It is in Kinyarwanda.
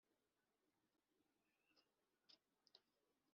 Nsa n' igihunyira kibuze amajyo;